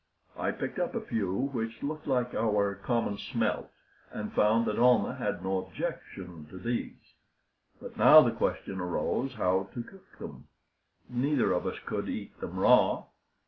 I picked up a few which looked like our common smelt, and found that Almah had no objection to these. But now the question arose how to cook them; neither of us could eat them raw.